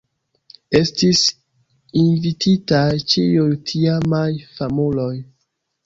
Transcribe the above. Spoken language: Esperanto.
Estis invititaj ĉiuj tiamaj famuloj.